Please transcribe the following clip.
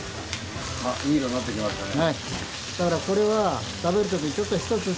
いい色になってきましたね。